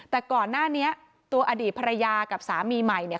แต่ก่อนหน้านี้ตัวอดีตภรรยากับสามีใหม่เนี่ย